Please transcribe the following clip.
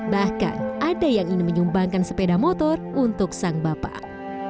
bahkan ada yang ingin menyumbangkan sepeda motor untuk sang bapak